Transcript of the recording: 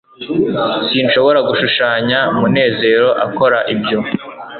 sinshobora gushushanya munezero akora ibyo